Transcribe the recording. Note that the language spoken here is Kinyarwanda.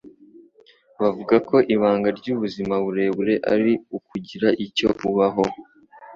Bavuga ko ibanga ryubuzima burebure ari ukugira icyo ubaho.